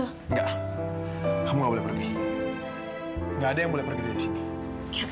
enggak kamu nggak boleh pergi nggak ada yang boleh pergi dari sini